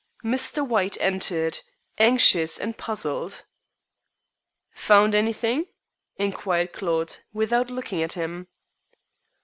Mr. White entered, anxious and puzzled. "Found anything?" inquired Claude, without looking at him.